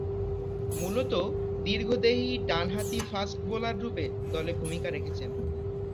মূলতঃ দীর্ঘদেহী ডানহাতি ফাস্ট বোলাররূপে দলে ভূমিকা রেখেছেন।